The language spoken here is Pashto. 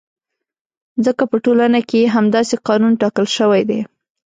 ځکه په ټولنه کې یې همداسې قانون ټاکل شوی دی.